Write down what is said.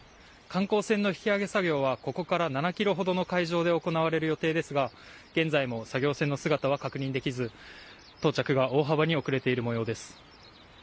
観光船の引き揚げ作業はここから７キロほどの海上で行われる予定ですが、現在も作業船の姿は確認できず、到着が大幅に遅れているもようです。